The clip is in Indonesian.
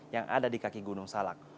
yang ada di kaki gunung salak